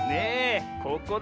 ここだ。